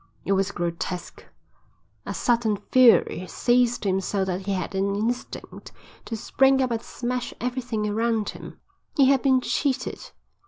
It was grotesque. A sudden fury seized him so that he had an instinct to spring up and smash everything around him. He had been cheated.